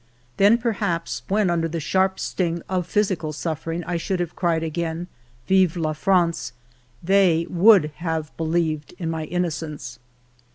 Then, perhaps, when under the sharp sting of physical suffer ing I should have cried again ' Vive la France !' they would have believed in my innocence.